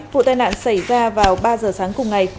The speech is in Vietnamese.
vụ tai nạn xảy ra vào ba giờ sáng cùng ngày